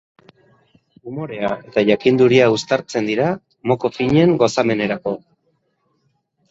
Umorea eta jakinduria uztartzen dira mokofinen gozamenerako.